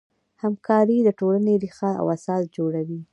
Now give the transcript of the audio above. همکاري د ټولنې ریښه او اساس جوړوي.